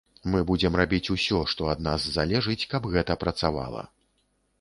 Мы будзем рабіць усё, што ад нас залежыць, каб гэта працавала.